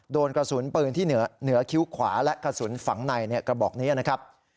โดนกระสุนปืนที่เหนือคิ้วขวาและกระสุนฝังในกระบอกนี้นะครับ